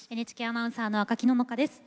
ＮＨＫアナウンサーの赤木野々花です。